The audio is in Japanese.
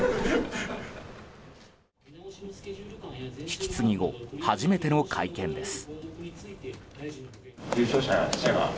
引き継ぎ後初めての会見です。